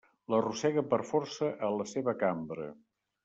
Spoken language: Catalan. L'arrossega per força a la seva cambra.